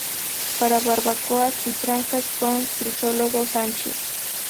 Para Barbacoas y Trancas: Don Crisólogo Sánchez.